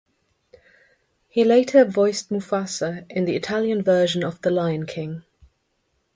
He later voiced Mufasa in the Italian version of "The Lion King".